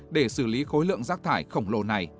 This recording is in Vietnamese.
để xử lý khối lượng rác thải khổng lồ này